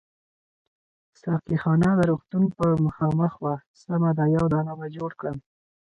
ساقي خانه د روغتون پر مخامخ وه، سمه ده یو دانه به جوړ کړم.